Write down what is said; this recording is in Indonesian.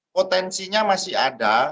potensinya masih ada